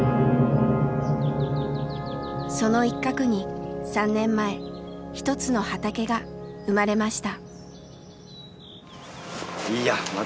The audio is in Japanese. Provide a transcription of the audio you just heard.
その一角に３年前一つの畑が生まれました。